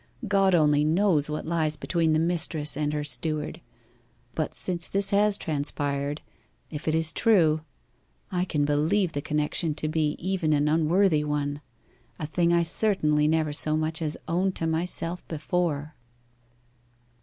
God only knows what lies between the mistress and her steward, but since this has transpired if it is true I can believe the connection to be even an unworthy one a thing I certainly never so much as owned to myself before.